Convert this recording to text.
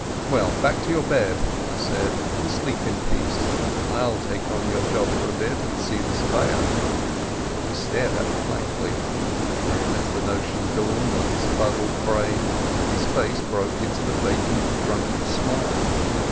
"Well, back to your bed," I said, "and sleep in peace. I'll take on your job for a bit and see the Surveyor." He stared at me blankly; then, as the notion dawned on his fuddled brain, his face broke into the vacant drunkard's smile.